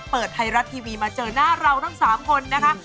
เปิดไทยรัฐทีวีมาเจอหน้าเราทั้ง๓คนนะคะ